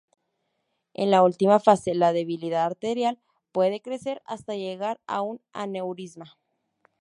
En la última fase, la debilidad arterial puede crecer hasta llegar a un aneurisma.